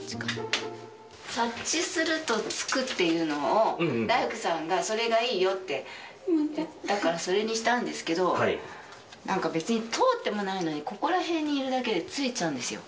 察知するとつくっていうのを、大工さんがそれがいいよって、だからそれにしたんですけど、なんか別に通ってもないのに、ここらへんにいるだけでついちゃうんですよ。